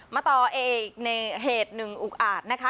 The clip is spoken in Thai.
มาต่ออีกในเหตุหนึ่งอุกอาจนะคะ